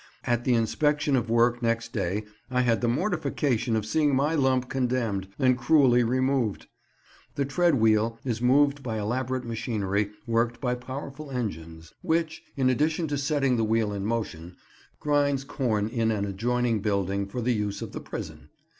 At the inspection of work next day I had the mortification of seeing my lump condemned, and cruelly removed. The tread wheel is moved by elaborate machinery worked by powerful engines, which, in addition to setting the wheel in motion, grinds corn in an adjoining building for the use of the prison.